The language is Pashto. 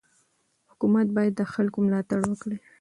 حکومت باید د خلکو ملاتړ وکړي.